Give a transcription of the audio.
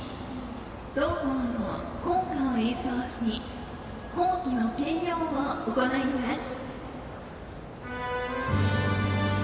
同校の校歌を演奏し校旗の掲揚を行います。